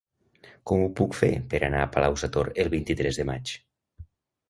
Com ho puc fer per anar a Palau-sator el vint-i-tres de maig?